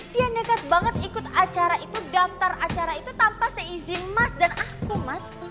dia nekat banget ikut acara itu daftar acara itu tanpa seizin mas dan aku mas